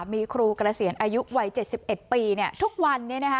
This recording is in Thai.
มีครูกระเสียนอายุวัยเจ็ดสิบเอ็ดปีเนี้ยทุกวันนี้นะคะ